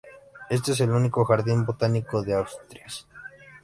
Este es el único "jardín botánico" de Asturias.